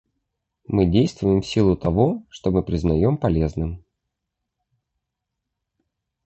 Мы действуем в силу того, что мы признаем полезным.